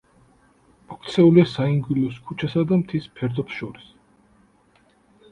მოქცეულია საინგილოს ქუჩასა და მთის ფერდობს შორის.